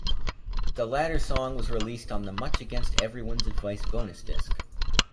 The latter song was released on the "Much Against Everyone's Advice" bonus disc.